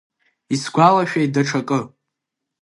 Исгәалашәеит даҽакы.